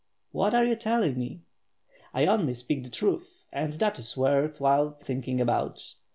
"What are you telling me?" "I only speak the truth, and that is worth while thinking about.